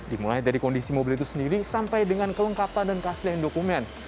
dimulai dari kondisi mobil itu sendiri sampai dengan kelengkapan dan keaslian dokumen